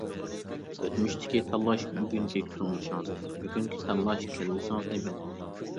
ئۆتمۈشتىكى تاللاش بۈگۈنكى تۇرمۇشىڭىزنى، بۈگۈنكى تاللاش كەلگۈسىڭىزنى بەلگىلەيدۇ.